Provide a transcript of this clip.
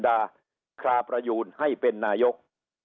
ดาคราประยูนให้เป็นนายก